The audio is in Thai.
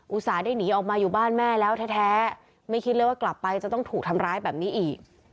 ได้หนีออกมาอยู่บ้านแม่แล้วแท้ไม่คิดเลยว่ากลับไปจะต้องถูกทำร้ายแบบนี้อีก